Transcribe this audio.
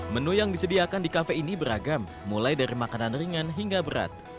menu yang disediakan di kafe ini beragam mulai dari makanan ringan hingga berat